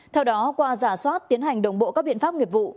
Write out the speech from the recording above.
theo đó qua giả soát tiến hành đồng bộ các biện pháp nghiệp vụ